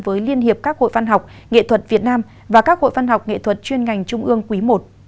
với liên hiệp các hội văn học nghệ thuật việt nam và các hội văn học nghệ thuật chuyên ngành trung ương quý i